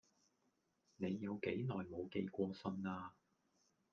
你有幾耐無寄過信啊